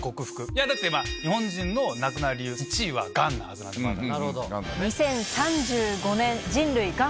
いやだって日本人の亡くなる理由１位はガンなはずなんでまだ。